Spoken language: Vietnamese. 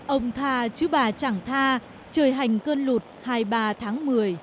ông tha chứ bà chẳng tha trời hành cơn lụt hai mươi ba tháng một mươi